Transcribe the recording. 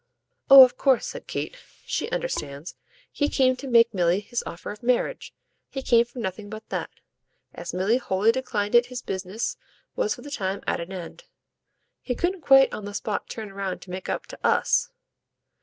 "Oh of course," said Kate, "she understands. He came to make Milly his offer of marriage he came for nothing but that. As Milly wholly declined it his business was for the time at an end. He couldn't quite on the spot turn round to make up to US."